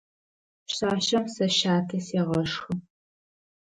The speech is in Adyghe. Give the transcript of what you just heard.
Пшъашъэм сэ щатэ сегъэшхы.